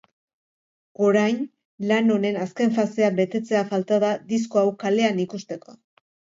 Orain, lan honen azken fasea betetzea falta da disko hau kalean ikusteko.